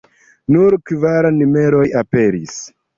Nur kvar numeroj aperis.